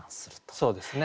そうですね。